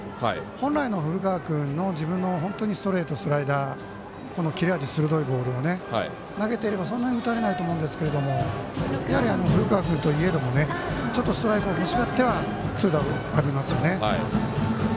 本来の古川君の本当にストレート、スライダーこの切れ味鋭いボールを投げていれば、そんなに打たれないと思うんですが古川君といえどもちょっとストライクをほしがっては痛打になりますよね。